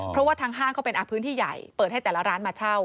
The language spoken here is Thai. เพราะว่าทางห้างก็เป็นพื้นที่ใหญ่เปิดให้แต่ละร้านมาเช่า